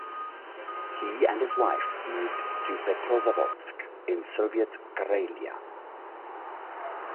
He and his wife moved to Petrozavodsk in Soviet Karelia.